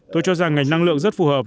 tôi cho rằng ngành năng lượng rất phù hợp